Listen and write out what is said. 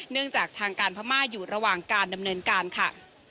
จากทางการพม่าอยู่ระหว่างการดำเนินการค่ะ